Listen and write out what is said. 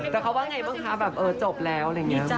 แต่เขาว่าไงบ้างคะแบบโหจบแล้ว